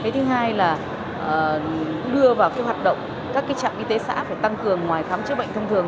thứ hai là đưa vào hoạt động các trạm y tế xã phải tăng cường ngoài khám chữa bệnh thông thường